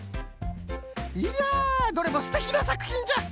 いやどれもすてきなさくひんじゃ！